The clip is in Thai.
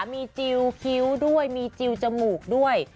มีจิลคิ้วด้วยมีจิลจมูกด้วย